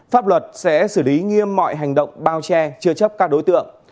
pháp luật sẽ xử lý nghiêm mọi hành động bao che chứa chấp các đối tượng